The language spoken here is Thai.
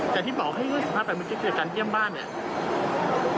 แต่ที่บอกให้สัมภาษณ์ไปมันเกี่ยวกับการเกี่ยวบ้านเนี่ย